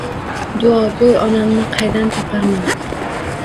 Duoguy onamni qaydan toparman?